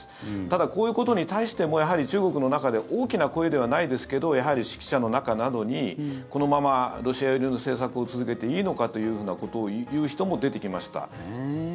ただ、こういうことに対してもやはり中国の中で大きな声ではないですけどやはり識者の中などにこのままロシア寄りの政策を続けていいのかということを言う人も出てきました。